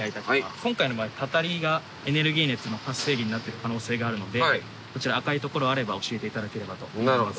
今回の場合たたりがエネルギー熱の発生源になってる可能性があるのでこちら赤い所あれば教えていただければと思います。